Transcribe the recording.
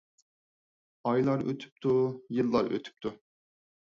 ئايلار ئۆتۈپتۇ، يىللار ئۆتۈپتۇ.